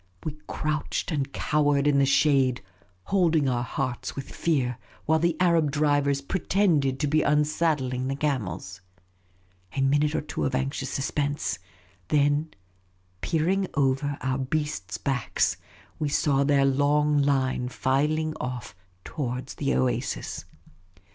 We crouched and cowered in the shade, holding our hearts with fear, while the Arab drivers pretended to be unsaddling the camels. A minute or two of anxious suspense ; then, peer ing over our beasts' backs, we saw their long line filing off towards the oasis.